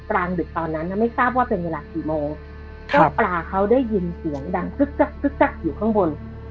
กลางดึกตอนนั้นไม่ทราบว่าเป็นเวลากี่โมงเจ้าปลาเขาได้ยินเสียงดังคึกกักอยู่ข้างบน